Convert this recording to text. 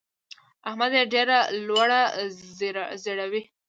احمد يې ډېره لوړه ځړوي.